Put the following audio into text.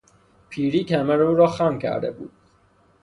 پیری کمر او را خم کرده بود.